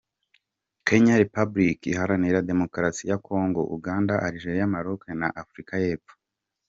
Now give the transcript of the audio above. Kenya, Repubulika Iharanira Demokarasi ya Kongo, Uganda, Algeria, Maroc na Afurika y’Epfo .